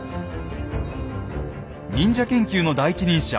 忍者研究の第一人者